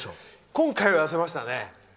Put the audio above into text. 今回は痩せましたね。